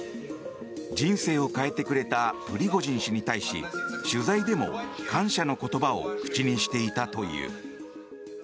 人生を変えてくれたプリゴジン氏に対し取材でも感謝の言葉を口にしていたという。